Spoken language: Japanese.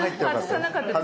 外さなかったですね。